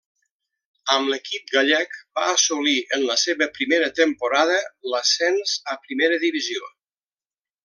Amb l'equip gallec va assolir en la seva primera temporada l'ascens a Primera divisió.